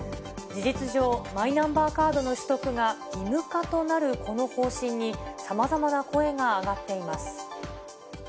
事実上、マイナンバーカードの取得が義務化となるこの方針にさまざまな声が上がっています。